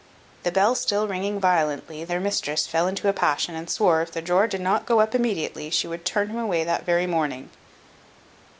The bell still ringing violently, their mistress fell into a passion, and swore, if the drawer did not go up immediately, she would turn him away that very morning.